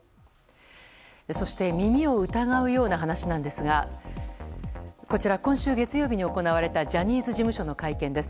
そして、耳を疑うような話なんですがこちら、今週月曜日に行われたジャニーズ事務所の会見です。